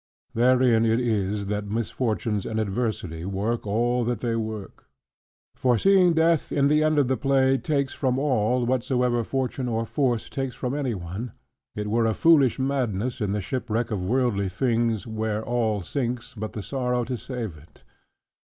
Therein it is, that misfortunes and adversity work all that they work. For seeing Death, in the end of the play, takes from all whatsoever Fortune or Force takes from any one; it were a foolish madness in the shipwreck of worldly things, where all sinks but the sorrow, to save it.